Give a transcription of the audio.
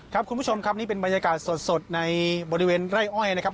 คุณผู้ชมครับนี่เป็นบรรยากาศสดในบริเวณไร่อ้อยนะครับ